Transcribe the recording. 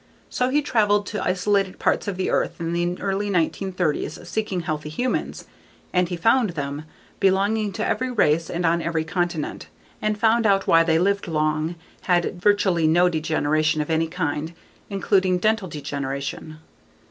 So he traveled to isolated parts of the Earth in the early 1930s seeking healthy humans. And he found them belonging to every race and on every continent. And found out why they lived long, had virtually no degeneration of any kind including dental degeneration.